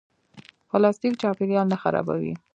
پلاستیک چاپیریال نه خرابوي